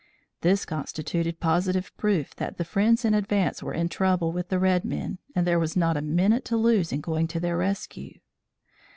This constituted positive proof that the friends in advance were in trouble with the red men and there was not a minute to lose in going to their rescue.